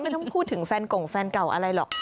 ไม่ต้องพูดถึงแฟนกงแฟนเก่าอะไรหรอก